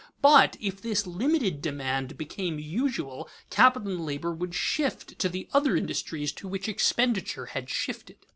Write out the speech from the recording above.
But, if this limited demand became usual, capital and labor would shift to the other industries to which expenditure had shifted.